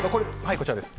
こちらです。